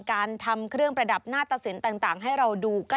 การทำเครื่องประดับหน้าตะสินต่างให้เราดูใกล้